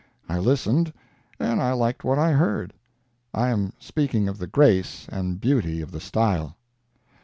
I listened, and I liked what I heard. I am speaking of the grace and beauty of the style."